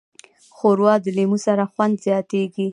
ښوروا د لیمو سره خوند زیاتیږي.